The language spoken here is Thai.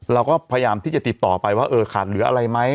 เราก็พยายามที่จะติดต่อไปว่าเออขาดเหลืออะไรไหม